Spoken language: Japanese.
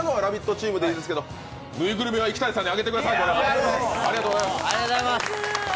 チームでいいですけどぬいぐるみは池谷さんにあげてください。